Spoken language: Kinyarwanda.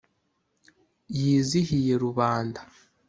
yizihiye rubanda.